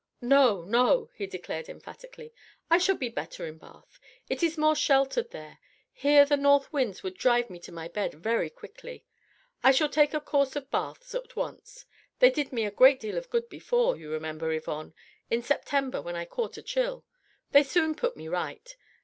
"No, no," he declared emphatically, "I shall be better in Bath. It is more sheltered there, here the north winds would drive me to my bed very quickly. I shall take a course of baths at once. They did me a great deal of good before, you remember, Yvonne in September, when I caught a chill ... they soon put me right.